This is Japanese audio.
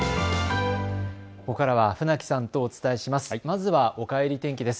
ここからは船木さんとお伝えします。